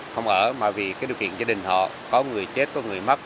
không ở mà vì cái điều kiện gia đình họ có người chết có người mất